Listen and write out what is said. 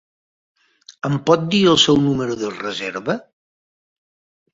Em pot dir el seu número de reserva?